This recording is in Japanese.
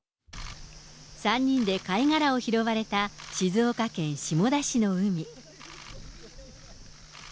３人で貝殻を拾われた静岡県下田市の海。